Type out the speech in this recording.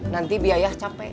nanti biaya capek